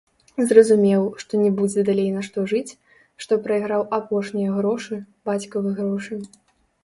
Зразумеў, што не будзе далей на што жыць, што прайграў апошнія грошы, бацькавы грошы.